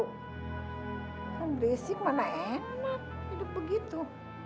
kan resiko mana enak hidup begitu